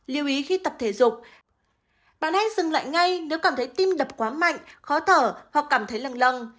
liêu ý khi tập thể dục bạn hãy dừng lại ngay nếu cảm thấy tim lập quá mạnh khó thở hoặc cảm thấy lầng lầng